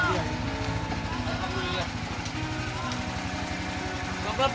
esta jo semuanya bang